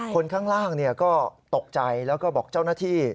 คนข้างล่างก็ตกใจแล้วก็บอกเจ้าหน้าที่